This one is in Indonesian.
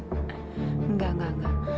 enggak enggak enggak